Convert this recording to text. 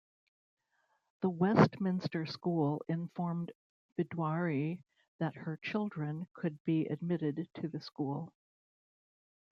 The Westminster School informed Viduarri that her children could be admitted to the school.